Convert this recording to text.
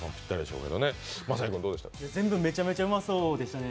全部、めちゃめちゃうまそうでしたね。